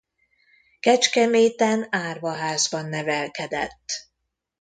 Kecskeméten árvaházban nevelkedett.